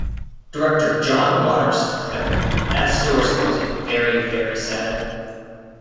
Director John Waters declared that store's closing "very, very sad".